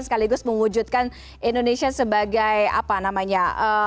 sekaligus mewujudkan indonesia sebagai apa namanya